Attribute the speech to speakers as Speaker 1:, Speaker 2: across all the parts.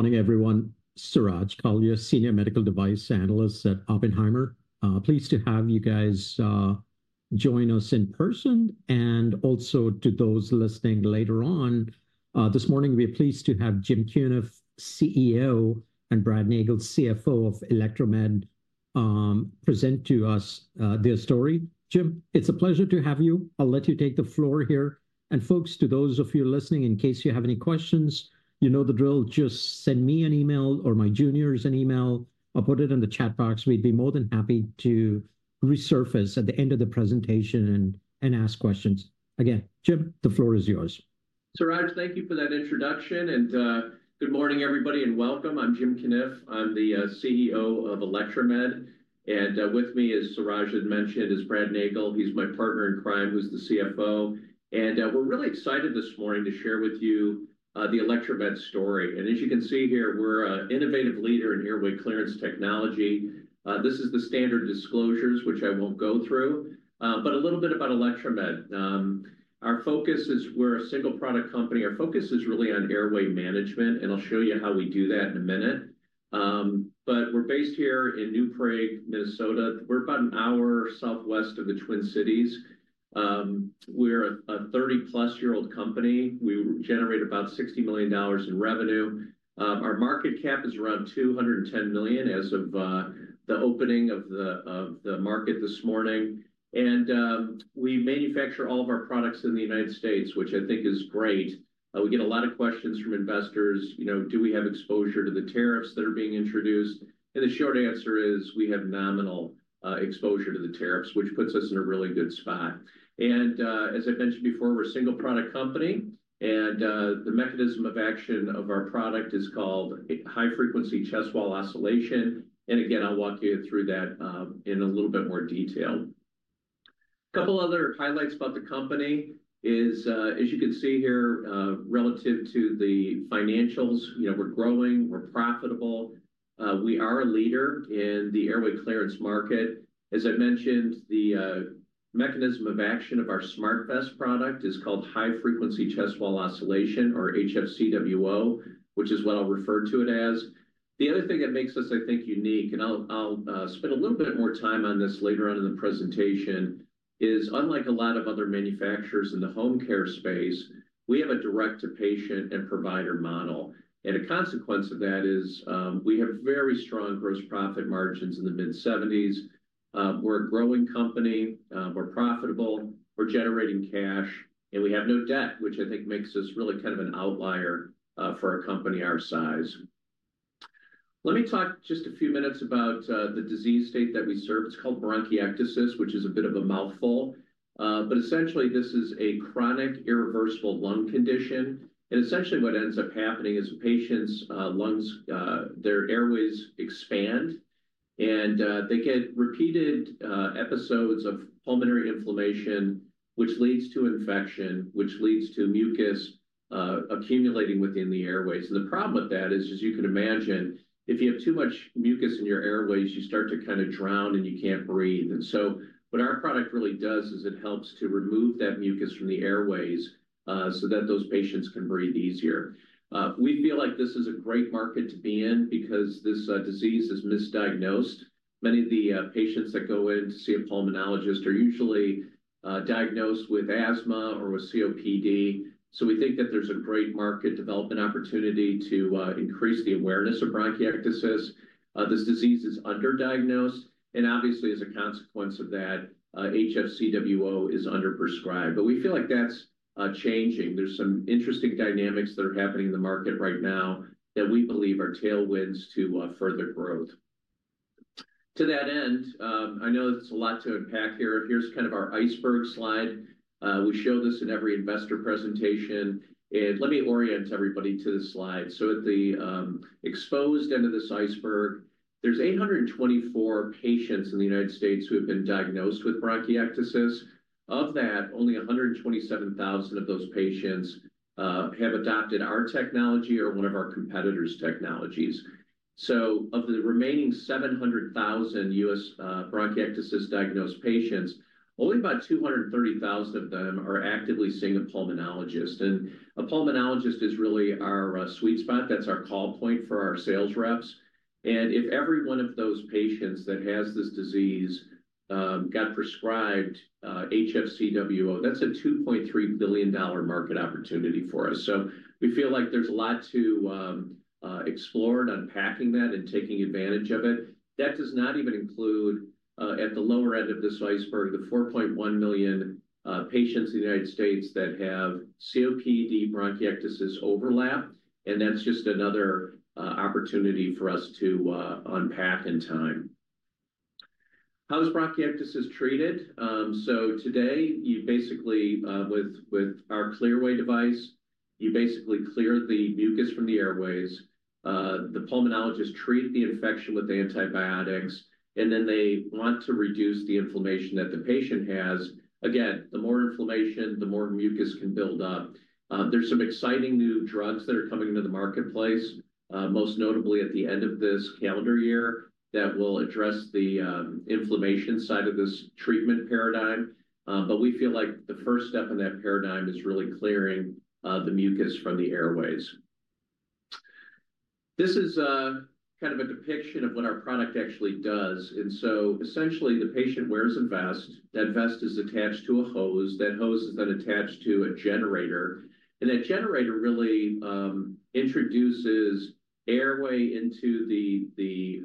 Speaker 1: Good morning, everyone. Suraj Kalia, Senior Medical Device Analyst at Oppenheimer. Pleased to have you guys join us in person, and also to those listening later on. This morning, we are pleased to have Jim Cunniff, CEO, and Brad Nagel, CFO of Electromed, present to us their story. Jim, it's a pleasure to have you. I'll let you take the floor here. Folks, to those of you listening, in case you have any questions, you know the drill. Just send me an email or my juniors an email. I'll put it in the chat box. We'd be more than happy to resurface at the end of the presentation and ask questions. Again, Jim, the floor is yours.
Speaker 2: Suraj, thank you for that introduction. Good morning, everybody, and welcome. I'm Jim Cunniff. I'm the CEO of Electromed. With me, as Suraj had mentioned, is Brad Nagel. He's my partner in crime, who's the CFO. We're really excited this morning to share with you the Electromed story. As you can see here, we're an innovative leader in airway clearance technology. This is the standard disclosures, which I won't go through. A little bit about Electromed. Our focus is we're a single product company. Our focus is really on airway management, and I'll show you how we do that in a minute. We're based here in New Prague, Minnesota. We're about an hour southwest of the Twin Cities. We're a 30+ year-old company. We generate about $60 million in revenue. Our market cap is around $210 million as of the opening of the market this morning. We manufacture all of our products in the United States, which I think is great. We get a lot of questions from investors. You know, do we have exposure to the tariffs that are being introduced? The short answer is we have nominal exposure to the tariffs, which puts us in a really good spot. As I mentioned before, we're a single product company. The mechanism of action of our product is called high-frequency chest wall oscillation. Again, I'll walk you through that in a little bit more detail. A couple of other highlights about the company is, as you can see here, relative to the financials, you know, we're growing, we're profitable. We are a leader in the airway clearance market. As I mentioned, the mechanism of action of our SmartVest product is called high-frequency chest wall oscillation, or HFCWO, which is what I'll refer to it as. The other thing that makes us, I think, unique, and I'll spend a little bit more time on this later on in the presentation, is unlike a lot of other manufacturers in the home care space, we have a direct-to-patient and provider model. A consequence of that is we have very strong gross profit margins in the mid-70%. We're a growing company. We're profitable. We're generating cash. We have no debt, which I think makes us really kind of an outlier for a company our size. Let me talk just a few minutes about the disease state that we serve. It's called bronchiectasis, which is a bit of a mouthful. Essentially, this is a chronic irreversible lung condition. Essentially, what ends up happening is patients' lungs, their airways expand, and they get repeated episodes of pulmonary inflammation, which leads to infection, which leads to mucus accumulating within the airways. The problem with that is, as you can imagine, if you have too much mucus in your airways, you start to kind of drown and you can't breathe. What our product really does is it helps to remove that mucus from the airways so that those patients can breathe easier. We feel like this is a great market to be in because this disease is misdiagnosed. Many of the patients that go in to see a pulmonologist are usually diagnosed with asthma or with COPD. We think that there's a great market development opportunity to increase the awareness of bronchiectasis. This disease is underdiagnosed. Obviously, as a consequence of that, HFCWO is underprescribed. We feel like that's changing. There's some interesting dynamics that are happening in the market right now that we believe are tailwinds to further growth. To that end, I know it's a lot to unpack here. Here's kind of our iceberg slide. We show this in every investor presentation. Let me orient everybody to this slide. At the exposed end of this iceberg, there's 824,000 patients in the U.S. who have been diagnosed with bronchiectasis. Of that, only 127,000 of those patients have adopted our technology or one of our competitors' technologies. Of the remaining 700,000 U.S. bronchiectasis diagnosed patients, only about 230,000 of them are actively seeing a pulmonologist. A pulmonologist is really our sweet spot. That's our call point for our sales reps. If every one of those patients that has this disease got prescribed HFCWO, that's a $2.3 billion market opportunity for us. We feel like there's a lot to explore in unpacking that and taking advantage of it. That does not even include, at the lower end of this iceberg, the 4.1 million patients in the United States that have COPD bronchiectasis overlap. That's just another opportunity for us to unpack in time. How is bronchiectasis treated? Today, you basically, with our Clearway device, you basically clear the mucus from the airways. The pulmonologist treats the infection with antibiotics, and then they want to reduce the inflammation that the patient has. Again, the more inflammation, the more mucus can build up. are some exciting new drugs that are coming into the marketplace, most notably at the end of this calendar year, that will address the inflammation side of this treatment paradigm. We feel like the first step in that paradigm is really clearing the mucus from the airways. This is kind of a depiction of what our product actually does. Essentially, the patient wears a vest. That vest is attached to a hose. That hose is then attached to a generator. That generator really introduces air into the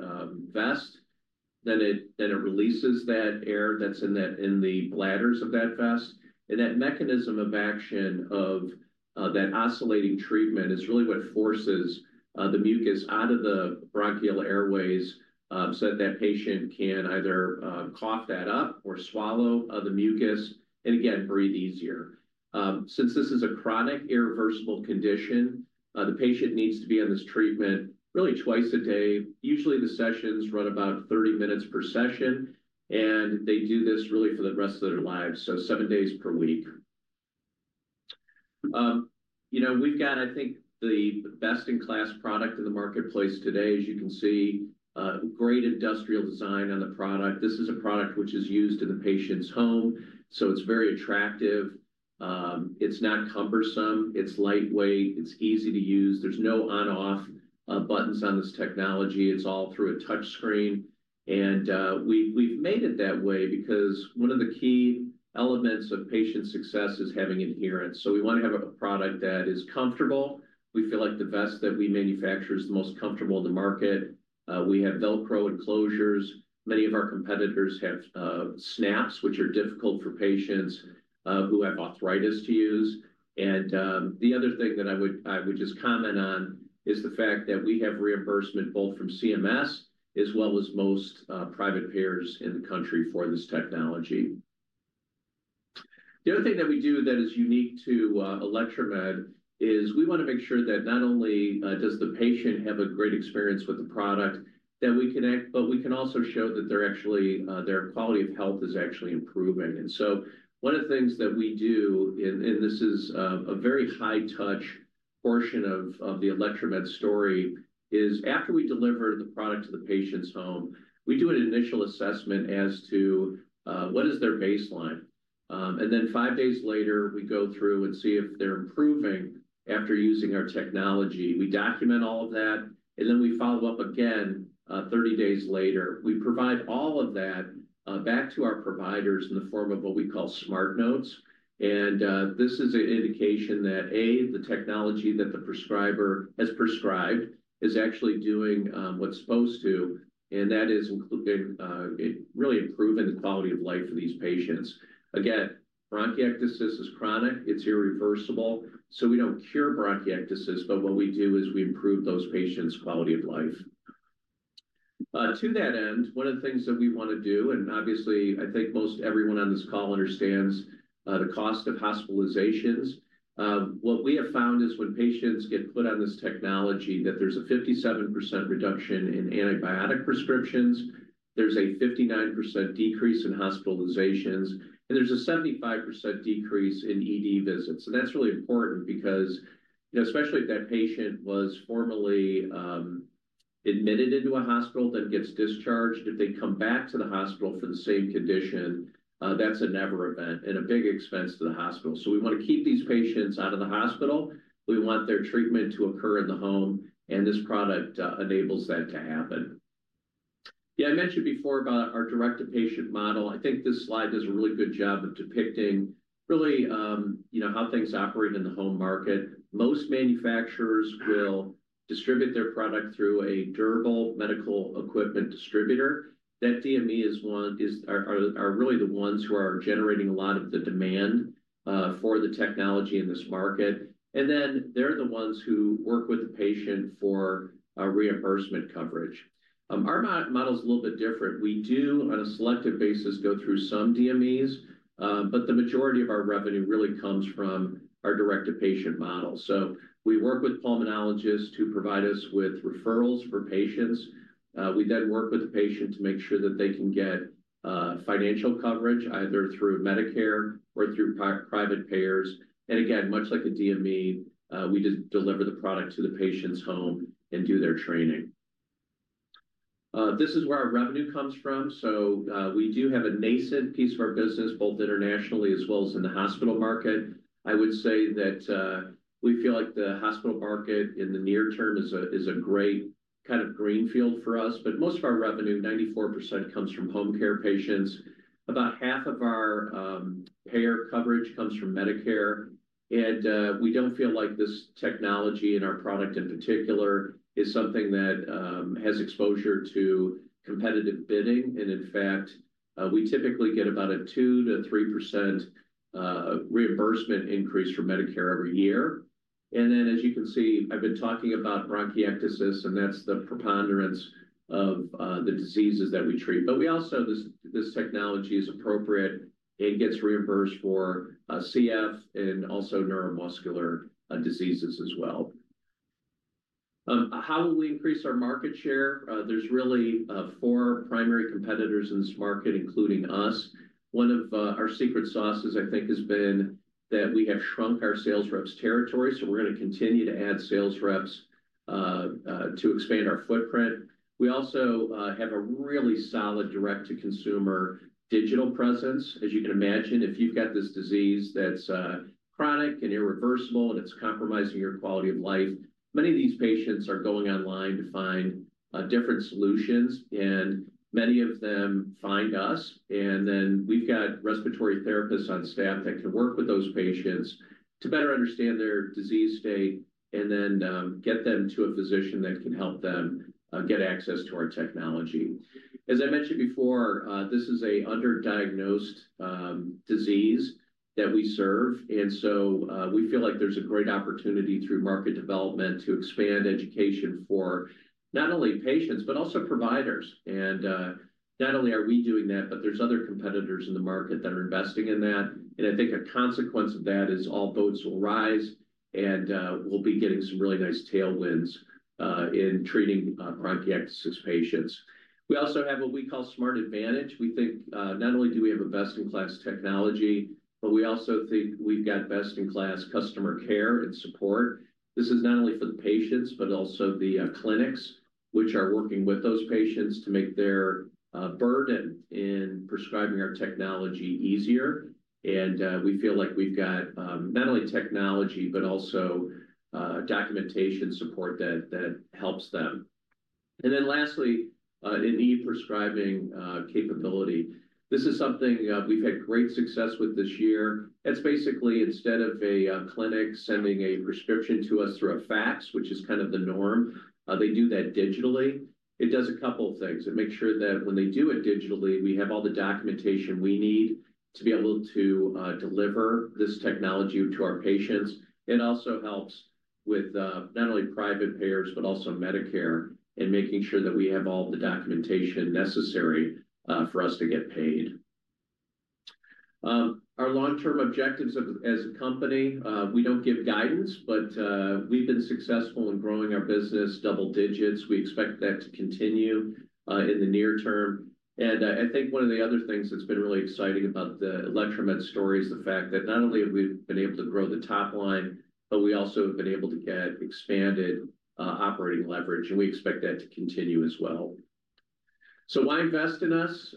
Speaker 2: vest. It releases that air that is in the bladders of that vest. That mechanism of action of that oscillating treatment is really what forces the mucus out of the bronchial airways so that the patient can either cough that up or swallow the mucus and, again, breathe easier. Since this is a chronic irreversible condition, the patient needs to be on this treatment really twice a day. Usually, the sessions run about 30 minutes per session. They do this really for the rest of their lives, so seven days per week. You know, we've got, I think, the best-in-class product in the marketplace today, as you can see. Great industrial design on the product. This is a product which is used in the patient's home. It is very attractive. It is not cumbersome. It is lightweight. It is easy to use. There are no on/off buttons on this technology. It is all through a touchscreen. We have made it that way because one of the key elements of patient success is having adherence. We want to have a product that is comfortable. We feel like the vest that we manufacture is the most comfortable in the market. We have Velcro enclosures. Many of our competitors have snaps, which are difficult for patients who have arthritis to use. The other thing that I would just comment on is the fact that we have reimbursement both from CMS as well as most private payers in the country for this technology. The other thing that we do that is unique to Electromed is we want to make sure that not only does the patient have a great experience with the product, but we can also show that their quality of health is actually improving. One of the things that we do, and this is a very high-touch portion of the Electromed story, is after we deliver the product to the patient's home, we do an initial assessment as to what is their baseline. Five days later, we go through and see if they're improving after using our technology. We document all of that. We follow up again 30 days later. We provide all of that back to our providers in the form of what we call SmarNotes. This is an indication that, A, the technology that the prescriber has prescribed is actually doing what it is supposed to. That is really improving the quality of life for these patients. Again, bronchiectasis is chronic. It is irreversible. We do not cure bronchiectasis, but what we do is we improve those patients' quality of life. To that end, one of the things that we want to do, and obviously, I think most everyone on this call understands the cost of hospitalizations. What we have found is when patients get put on this technology, there is a 57% reduction in antibiotic prescriptions, a 59% decrease in hospitalizations, and a 75% decrease in ED visits. That is really important because, you know, especially if that patient was formally admitted into a hospital, then gets discharged. If they come back to the hospital for the same condition, that is a never event and a big expense to the hospital. We want to keep these patients out of the hospital. We want their treatment to occur in the home. This product enables that to happen. Yeah, I mentioned before about our direct-to-patient model. I think this slide does a really good job of depicting really how things operate in the home market. Most manufacturers will distribute their product through a durable medical equipment distributor. That DME are really the ones who are generating a lot of the demand for the technology in this market. They are the ones who work with the patient for reimbursement coverage. Our model is a little bit different. We do, on a selective basis, go through some DMEs, but the majority of our revenue really comes from our direct-to-patient model. We work with pulmonologists who provide us with referrals for patients. We then work with the patient to make sure that they can get financial coverage either through Medicare or through private payers. Much like a DME, we just deliver the product to the patient's home and do their training. This is where our revenue comes from. We do have a nascent piece of our business, both internationally as well as in the hospital market. I would say that we feel like the hospital market in the near term is a great kind of greenfield for us. Most of our revenue, 94%, comes from home care patients. About half of our payer coverage comes from Medicare. We do not feel like this technology and our product in particular is something that has exposure to competitive bidding. In fact, we typically get about a 2%-3% reimbursement increase from Medicare every year. As you can see, I have been talking about bronchiectasis, and that is the preponderance of the diseases that we treat. We also know this technology is appropriate and gets reimbursed for CF and also neuromuscular diseases as well. How will we increase our market share? There are really four primary competitors in this market, including us. One of our secret sauce, I think, has been that we have shrunk our sales reps' territory. We are going to continue to add sales reps to expand our footprint. We also have a really solid direct-to-consumer digital presence. As you can imagine, if you've got this disease that's chronic and irreversible and it's compromising your quality of life, many of these patients are going online to find different solutions. Many of them find us. We've got respiratory therapists on staff that can work with those patients to better understand their disease state and then get them to a physician that can help them get access to our technology. As I mentioned before, this is an underdiagnosed disease that we serve. We feel like there's a great opportunity through market development to expand education for not only patients, but also providers. Not only are we doing that, but there are other competitors in the market that are investing in that. I think a consequence of that is all boats will rise. We'll be getting some really nice tailwinds in treating bronchiectasis patients. We also have what we call SmartAdvantage. We think not only do we have a best-in-class technology, but we also think we've got best-in-class customer care and support. This is not only for the patients, but also the clinics which are working with those patients to make their burden in prescribing our technology easier. We feel like we've got not only technology, but also documentation support that helps them. Lastly, an e-prescribing capability. This is something we've had great success with this year. It's basically instead of a clinic sending a prescription to us through a fax, which is kind of the norm, they do that digitally. It does a couple of things. It makes sure that when they do it digitally, we have all the documentation we need to be able to deliver this technology to our patients. It also helps with not only private payers, but also Medicare in making sure that we have all the documentation necessary for us to get paid. Our long-term objectives as a company, we do not give guidance, but we have been successful in growing our business double digits. We expect that to continue in the near term. I think one of the other things that has been really exciting about the Electromed story is the fact that not only have we been able to grow the top line, but we also have been able to get expanded operating leverage. We expect that to continue as well. Why invest in us?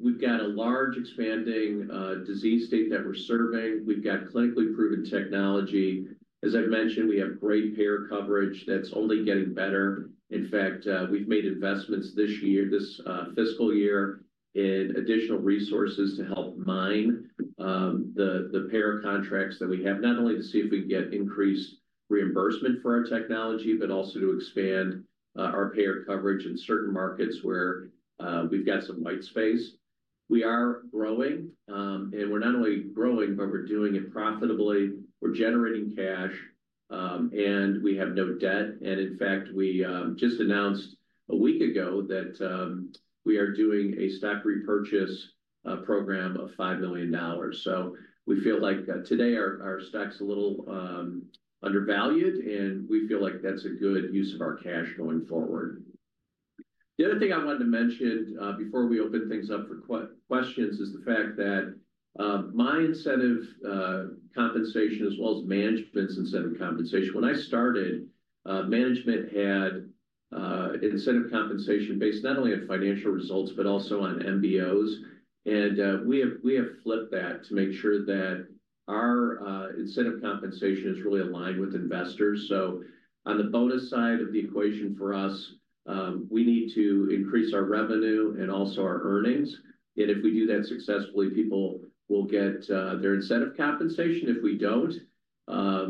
Speaker 2: We have a large expanding disease state that we are serving. We have clinically proven technology. As I have mentioned, we have great payer coverage that is only getting better. In fact, we've made investments this year, this fiscal year, in additional resources to help mine the payer contracts that we have, not only to see if we can get increased reimbursement for our technology, but also to expand our payer coverage in certain markets where we've got some white space. We are growing. We are not only growing, but we are doing it profitably. We are generating cash. We have no debt. In fact, we just announced a week ago that we are doing a stock repurchase program of $5 million. We feel like today our stock's a little undervalued. We feel like that's a good use of our cash going forward. The other thing I wanted to mention before we open things up for questions is the fact that my incentive compensation as well as management's incentive compensation. When I started, management had incentive compensation based not only on financial results, but also on MBOs. We have flipped that to make sure that our incentive compensation is really aligned with investors. On the bonus side of the equation for us, we need to increase our revenue and also our earnings. If we do that successfully, people will get their incentive compensation. If we do not,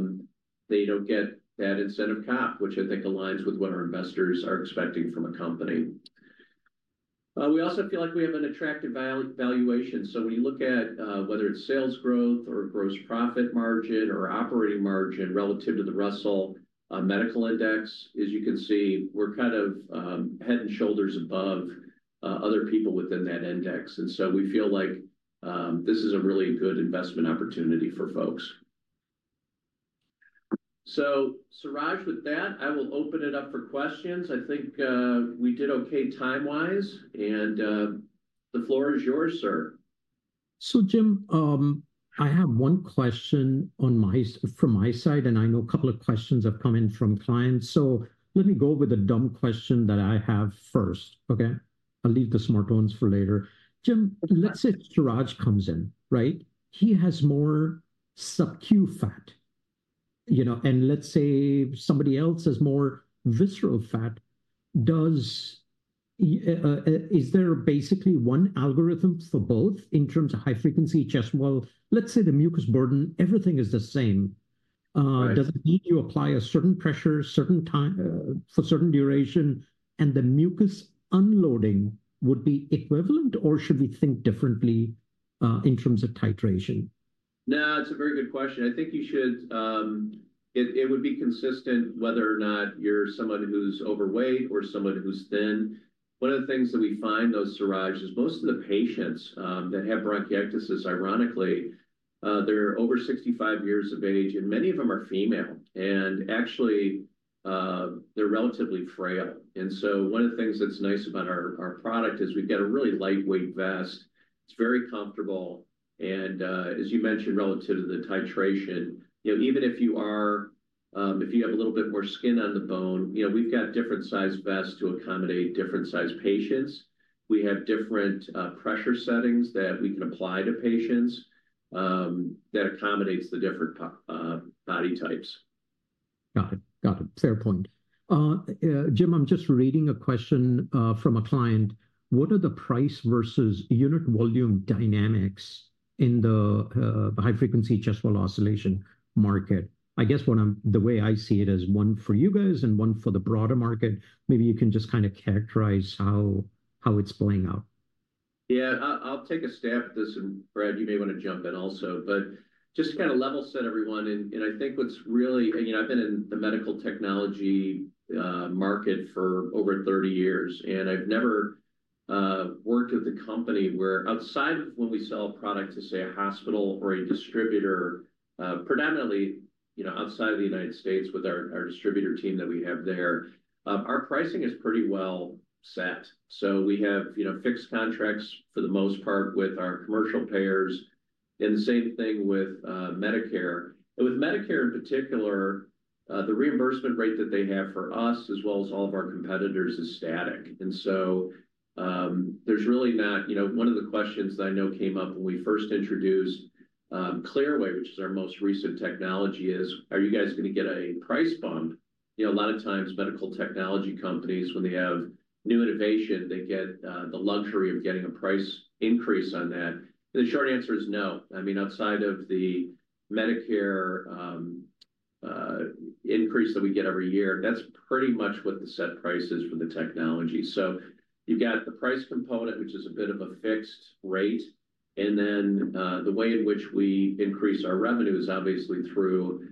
Speaker 2: they do not get that incentive cap, which I think aligns with what our investors are expecting from a company. We also feel like we have an attractive valuation. When you look at whether it is sales growth or gross profit margin or operating margin relative to the Russell Medical Index, as you can see, we are kind of head and shoulders above other people within that index. We feel like this is a really good investment opportunity for folks. Suraj, with that, I will open it up for questions. I think we did okay time-wise. The floor is yours, sir.
Speaker 1: Jim, I have one question from my side. I know a couple of questions have come in from clients. Let me go with a dumb question that I have first, okay? I'll leave the smart ones for later. Jim, let's say Suraj comes in, right? He has more subcutaneous fat. Let's say somebody else has more visceral fat. Is there basically one algorithm for both in terms of high-frequency chest wall? Let's say the mucus burden, everything is the same. Does it need to apply a certain pressure for a certain duration? The mucus unloading would be equivalent, or should we think differently in terms of titration?
Speaker 2: No, it's a very good question. I think you should. It would be consistent whether or not you're someone who's overweight or someone who's thin. One of the things that we find, though, Suraj, is most of the patients that have bronchiectasis, ironically, they're over 65 years of age. Many of them are female. Actually, they're relatively frail. One of the things that's nice about our product is we've got a really lightweight vest. It's very comfortable. As you mentioned, relative to the titration, even if you have a little bit more skin on the bone, we've got different size vests to accommodate different size patients. We have different pressure settings that we can apply to patients that accommodate the different body types.
Speaker 1: Got it. Got it. Fair point. Jim, I'm just reading a question from a client. What are the price versus unit volume dynamics in the high-frequency chest wall oscillation market? I guess the way I see it is one for you guys and one for the broader market. Maybe you can just kind of characterize how it's playing out.
Speaker 2: Yeah, I'll take a stab at this. Brad, you may want to jump in also. Just to kind of level set everyone. I think what's really—I have been in the medical technology market for over 30 years. I have never worked with a company where, outside of when we sell a product to, say, a hospital or a distributor, predominantly outside of the United States with our distributor team that we have there, our pricing is pretty well set. We have fixed contracts for the most part with our commercial payers. The same thing with Medicare. With Medicare, in particular, the reimbursement rate that they have for us, as well as all of our competitors, is static. There is really not—one of the questions that I know came up when we first introduced Clearway, which is our most recent technology, is, "Are you guys going to get a price bump?" A lot of times, medical technology companies, when they have new innovation, they get the luxury of getting a price increase on that. The short answer is no. I mean, outside of the Medicare increase that we get every year, that is pretty much what the set price is for the technology. You have the price component, which is a bit of a fixed rate. The way in which we increase our revenue is obviously through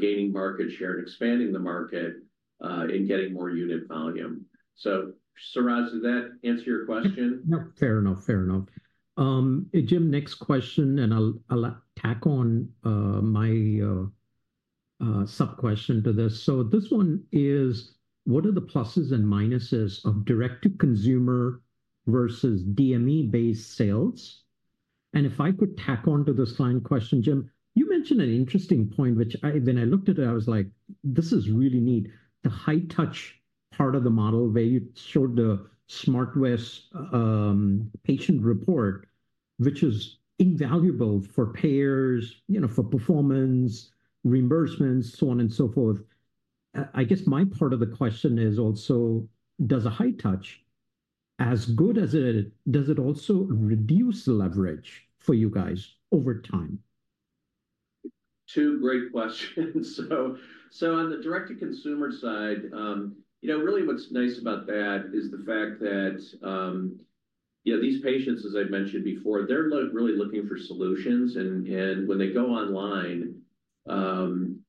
Speaker 2: gaining market share and expanding the market and getting more unit volume. Suraj, did that answer your question?
Speaker 1: No, fair enough. Fair enough. Jim, next question. I'll tack on my sub-question to this. This one is, "What are the pluses and minuses of direct-to-consumer versus DME-based sales?" If I could tack on to this line question, Jim, you mentioned an interesting point, which when I looked at it, I was like, "This is really neat." The high-touch part of the model where you showed the SmartVest patient report, which is invaluable for payers, for performance, reimbursements, so on and so forth. I guess my part of the question is also, does a high touch, as good as it is, does it also reduce leverage for you guys over time?
Speaker 2: Two great questions. On the direct-to-consumer side, really what's nice about that is the fact that these patients, as I've mentioned before, they're really looking for solutions. When they go online,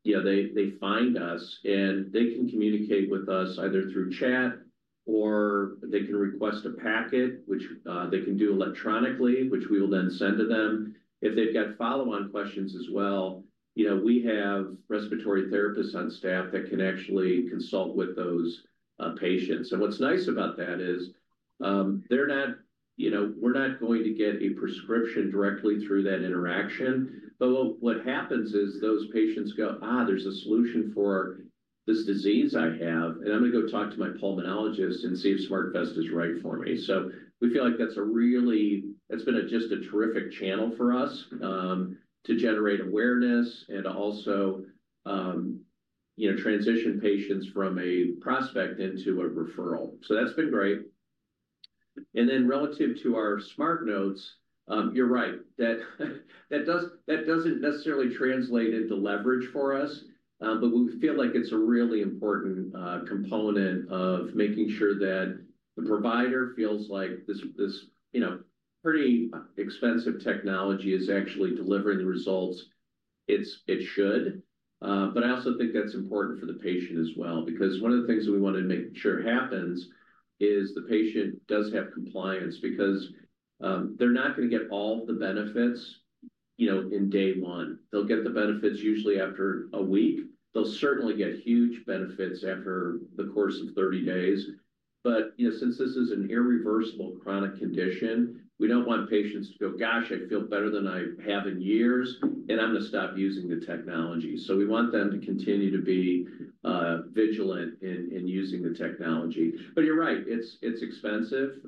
Speaker 2: they find us. They can communicate with us either through chat, or they can request a packet, which they can do electronically, which we will then send to them. If they've got follow-on questions as well, we have respiratory therapists on staff that can actually consult with those patients. What's nice about that is we're not going to get a prescription directly through that interaction. What happens is those patients go, there's a solution for this disease I have. I'm going to go talk to my pulmonologist and see if SmartVest is right for me. We feel like that's been just a terrific channel for us to generate awareness and to also transition patients from a prospect into a referral. That's been great. Relative to our SmartNotes, you're right. That does not necessarily translate into leverage for us. We feel like it is a really important component of making sure that the provider feels like this pretty expensive technology is actually delivering the results it should. I also think that is important for the patient as well. One of the things that we want to make sure happens is the patient does have compliance because they are not going to get all of the benefits in day one. They will get the benefits usually after a week. They will certainly get huge benefits after the course of 30 days. Since this is an irreversible chronic condition, we do not want patients to go, "Gosh, I feel better than I have in years. I am going to stop using the technology." We want them to continue to be vigilant in using the technology. You are right. It is expensive.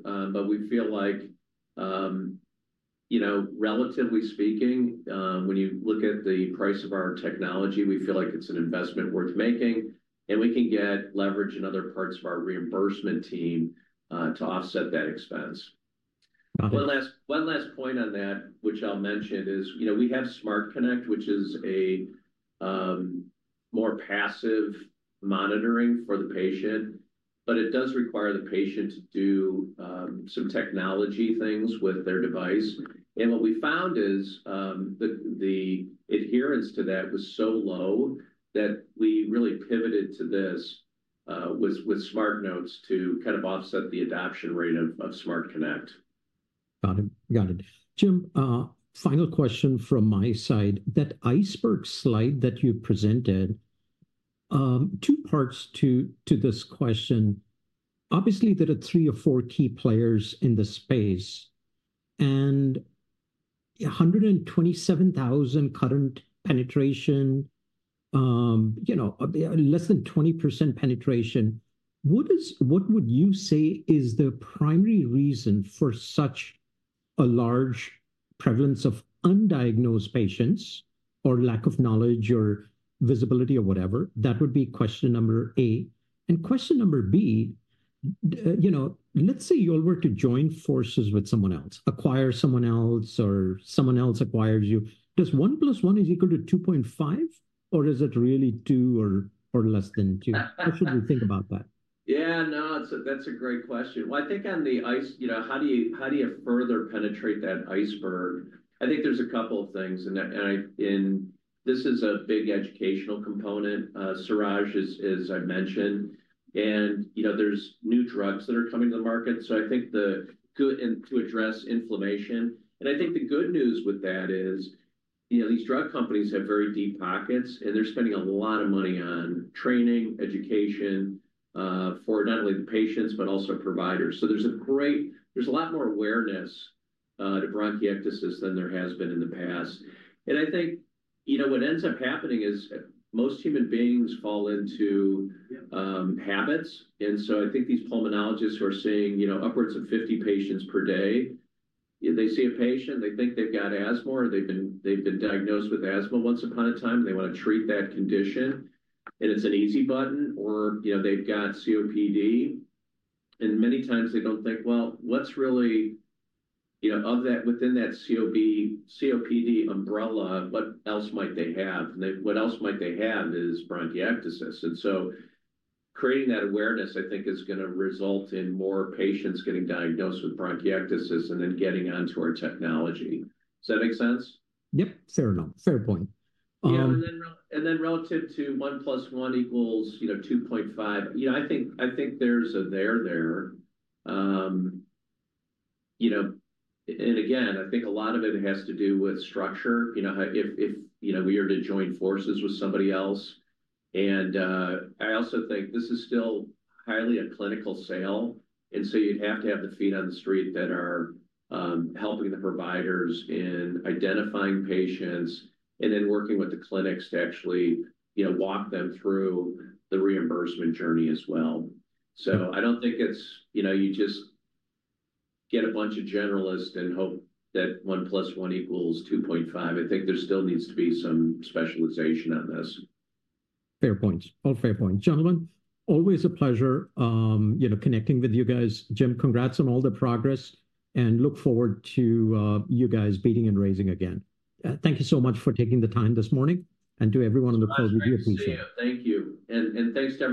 Speaker 2: We feel like, relatively speaking, when you look at the price of our technology, we feel like it's an investment worth making. We can get leverage in other parts of our reimbursement team to offset that expense. One last point on that, which I'll mention, is we have SmartConnect, which is a more passive monitoring for the patient. It does require the patient to do some technology things with their device. What we found is the adherence to that was so low that we really pivoted to this with SmartNotes to kind of offset the adoption rate of SmartConnect.
Speaker 1: Got it. Got it. Jim, final question from my side. That iceberg slide that you presented, two parts to this question. Obviously, there are three or four key players in the space. And 127,000 current penetration, less than 20% penetration. What would you say is the primary reason for such a large prevalence of undiagnosed patients or lack of knowledge or visibility or whatever? That would be question number A. Question number B, let's say you all were to join forces with someone else, acquire someone else, or someone else acquires you. Does 1+1=2.5? Or is it really 2 or less than 2? How should we think about that?
Speaker 2: Yeah, that's a great question. I think on the, how do you further penetrate that iceberg? I think there's a couple of things. This is a big educational component, Suraj, as I mentioned. There are new drugs that are coming to the market. I think the good to address inflammation. I think the good news with that is these drug companies have very deep pockets. They are spending a lot of money on training, education for not only the patients, but also providers. There is a lot more awareness to bronchiectasis than there has been in the past. I think what ends up happening is most human beings fall into habits. I think these pulmonologists who are seeing upwards of 50 patients per day, they see a patient, they think they have got asthma, or they have been diagnosed with asthma once upon a time, and they want to treat that condition. It is an easy button, or they have got COPD. Many times, they do not think, "Well, what is really within that COPD umbrella? What else might they have?" What else they might have is bronchiectasis. Creating that awareness, I think, is going to result in more patients getting diagnosed with bronchiectasis and then getting onto our technology. Does that make sense?
Speaker 1: Yep. Fair enough. Fair point.
Speaker 2: Relative to 1+1=2.5, I think there's a there there. I think a lot of it has to do with structure. If we are to join forces with somebody else, I also think this is still highly a clinical sale. You have to have the feet on the street that are helping the providers in identifying patients and then working with the clinics to actually walk them through the reimbursement journey as well. I do not think you just get a bunch of generalists and hope that 1+1=2.5. I think there still needs to be some specialization on this.
Speaker 1: Fair point. All fair points. Gentlemen, always a pleasure connecting with you guys. Jim, congrats on all the progress. I look forward to you guys beating and raising again. Thank you so much for taking the time this morning. To everyone on the call, we do appreciate it. Thank you.
Speaker 2: Thanks, Suraj.